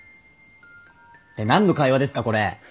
って何の会話ですかこれ。